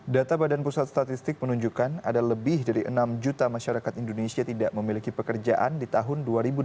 data badan pusat statistik menunjukkan ada lebih dari enam juta masyarakat indonesia tidak memiliki pekerjaan di tahun dua ribu dua puluh